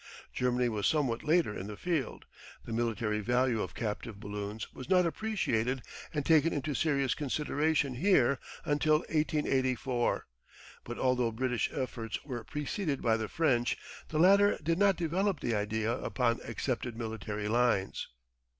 Germany was somewhat later in the field; the military value of captive balloons was not appreciated and taken into serious consideration here until 1884. But although British efforts were preceded by the French the latter did not develop the idea upon accepted military lines.